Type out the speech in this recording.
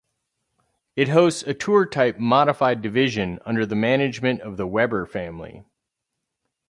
It hosts a tour-type modified division under the management of the Webber family.